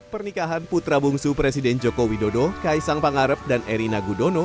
pernikahan putra bungsu presiden joko widodo kaisang pangarep dan erina gudono